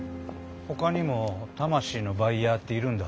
他にも魂のバイヤーっているんだ。